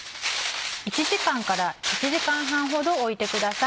１時間から１時間半ほど置いてください。